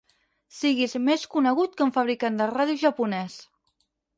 Siguis més conegut que un fabricant de ràdios japonès.